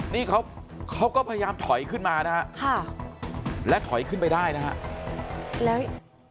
นี่เขาเขาก็พยายามถอยขึ้นมานะฮะค่ะและถอยขึ้นไปได้นะฮะแล้ว